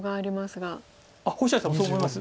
星合さんもそう思います？